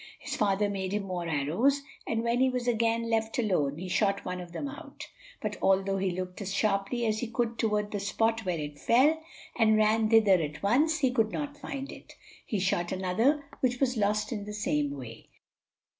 His father made him more arrows, and when he was again left alone, he shot one of them out; but although he looked as sharply as he could toward the spot where it fell, and ran thither at once, he could not find it. He shot another, which was lost in the same way.